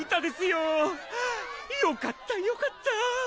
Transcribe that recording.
よかったよかった！